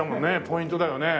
ポイントだよね。